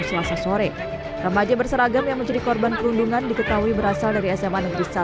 selasa sore remaja berseragam yang menjadi korban perundungan diketahui berasal dari sma negeri satu